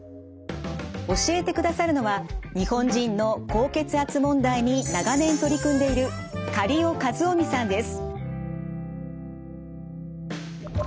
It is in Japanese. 教えてくださるのは日本人の高血圧問題に長年取り組んでいる苅尾七臣さんです。